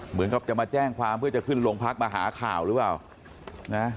เหมือนกับจะมาแจ้งความเพื่อจะขึ้นโรงพักมาหาข่าวหรือเปล่านะ